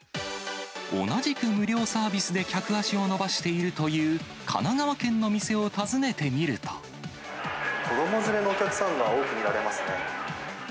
同じく無料サービスで客足を伸ばしているという神奈川県の店子ども連れのお客さんが多く見られますね。